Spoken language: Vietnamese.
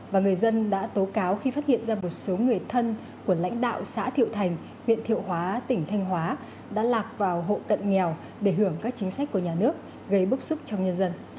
và người dân đã tố cáo khi phát hiện ra một số người thân của lãnh đạo xã thiệu thành huyện thiệu hóa tỉnh thanh hóa đã lạc vào hộ cận nghèo để hưởng các chính sách của nhà nước gây bức xúc trong nhân dân